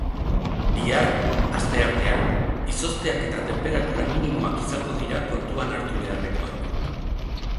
Bihar, asteartea, izozteak eta tenperatura minimoak izango dira kontuan hartu beharrekoak.